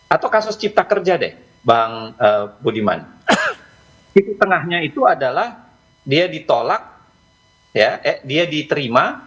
atau kasus cipta kerja deh bang budiman titik tengahnya itu adalah dia ditolak ya eh dia diterima